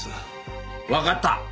わかった。